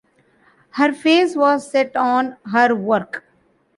Her face was set on her work.